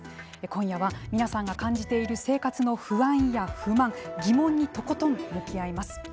今夜は皆さんが感じている生活の不安や不満疑問にとことん向き合います。